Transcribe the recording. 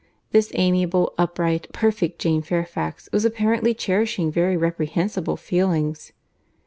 —This amiable, upright, perfect Jane Fairfax was apparently cherishing very reprehensible feelings.